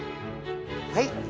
はい！